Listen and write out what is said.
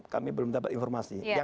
kami belum dapat informasi